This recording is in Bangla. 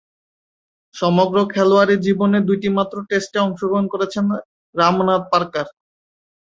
সমগ্র খেলোয়াড়ী জীবনে দুইটিমাত্র টেস্টে অংশগ্রহণ করেছেন রামনাথ পার্কার।